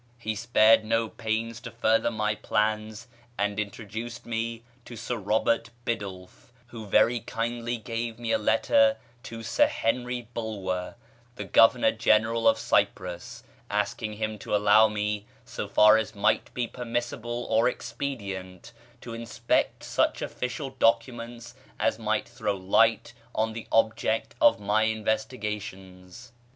He spared no pains to further my plans, and introduced me to Sir Robert Biddulph, who very kindly gave me a letter to Sir Henry Bulwer, the Governor General of Cyprus, asking him to allow me, so far as might be permissible or expedient, to inspect such official documents as might throw light on the object of my investigations.